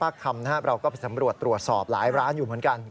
คำนะครับเราก็ไปสำรวจตรวจสอบหลายร้านอยู่เหมือนกัน